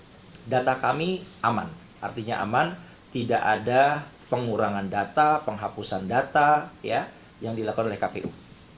karena data kami aman artinya aman tidak ada pengurangan data penghapusan data yang dilakukan oleh kpu